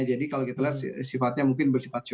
jadi kalau kita lihat sifatnya mungkin bersifat short term